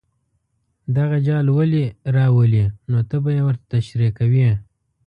دغه جال ولې راولي نو ته به یې ورته تشریح کوې.